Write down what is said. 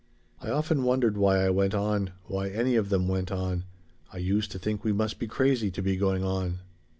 "I often wondered why I went on, why any of them went on. I used to think we must be crazy to be going on."